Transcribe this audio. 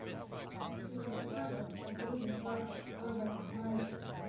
He was a cousin of the English writer Robert Graves.